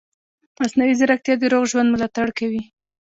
مصنوعي ځیرکتیا د روغ ژوند ملاتړ کوي.